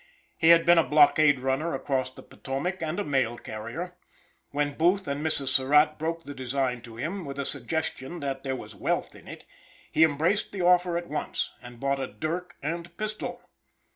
He had been a blockade runner across the Potomac, and a mail carrier. When Booth and Mrs. Surratt broke the design to him, with a suggestion that there was wealth in it, he embraced the offer at once, and bought a dirk and pistol.